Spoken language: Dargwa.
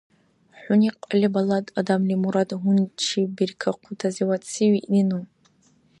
ХӀуни кьалли балад адамла мурад гьунчибиркахъутазивадси виъни ну!